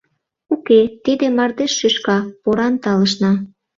Уке, тиде мардеж шӱшка, поран талышна.